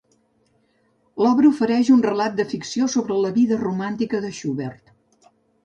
L'obra ofereix un relat de ficció sobre la vida romàntica de Schubert.